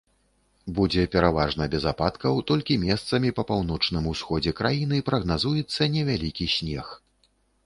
Будзе пераважна без ападкаў, толькі месцамі па паўночным усходзе краіны прагназуецца невялікі снег.